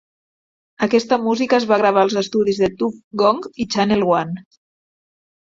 Aquesta música es va gravar als estudis Tuff Gong i Channel One.